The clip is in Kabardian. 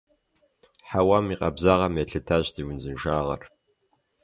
Хьэуам и къабзагъым елъытащ ди узыншагъэр.